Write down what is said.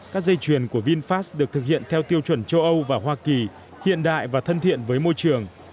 các dây chuyền của vinfast được thực hiện theo tiêu chuẩn châu âu và hoa kỳ hiện đại và thân thiện với môi trường